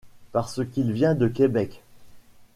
Parce qu'il vient de Québec.